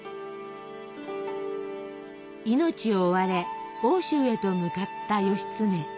命を追われ奥州へと向かった義経。